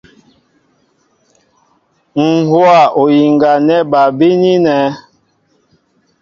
Ŋ̀ hówa oyiŋga ná bal bínínɛ̄.